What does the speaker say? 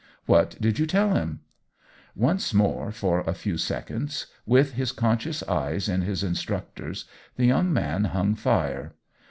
" What did you tell him ?" Once more, for a few seconds, with his conscious eyes in his instructor's, the young man hung fire.